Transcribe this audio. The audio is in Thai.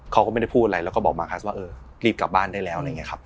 เขาก็ไม่ได้พูดอะไรแล้วก็บอกมาร์คัสว่าเออรีบกลับบ้านได้แล้ว